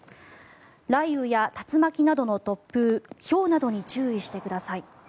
雷雨や竜巻などの突風ひょうなどに注意してください。